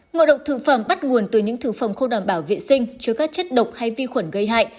ngộ độc thực phẩm bắt nguồn từ những thực phẩm không đảm bảo vệ sinh chứa các chất độc hay vi khuẩn gây hại